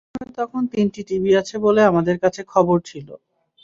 কারণ, পাশের গ্রামে তখন তিনটি টিভি আছে বলে আমাদের কাছে খবর ছিল।